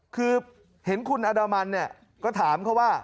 คือเห็นคุณอดามันเนี่ยก็ถามเขาว่า